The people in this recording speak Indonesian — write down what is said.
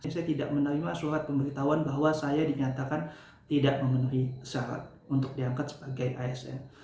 saya tidak menerima surat pemberitahuan bahwa saya dinyatakan tidak memenuhi syarat untuk diangkat sebagai asn